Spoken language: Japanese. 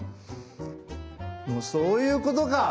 もうそういうことか！